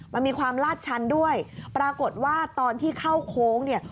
มันมีความลาดชันด้วยปรากฏว่าตอนที่เข้าโค้งเนี่ย